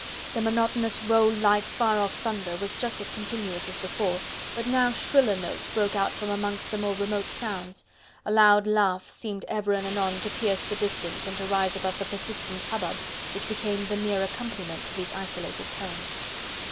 The monotonous, roll like, far off thunder was just as continuous as before, but now shriller notes broke out from amongst the more remote sounds, a loud laugh seemed ever and anon to pierce the distance and to rise above the persistent hubbub, which became the mere accompaniment to these isolated tones.